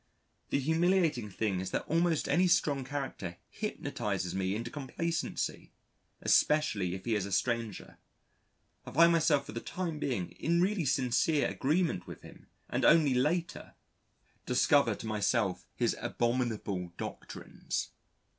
The humiliating thing is that almost any strong character hynotises me into complacency, especially if he is a stranger; I find myself for the time being in really sincere agreement with him, and only later, discover to myself his abominable doctrines.